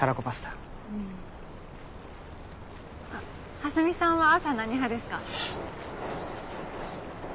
蓮見さんは朝何派ですか？